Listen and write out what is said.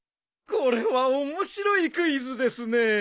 これは面白いクイズですね。